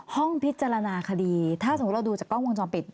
ห้องพิจารณาคดีถ้าสมมุติเราดูจากกล้องวงจรปิด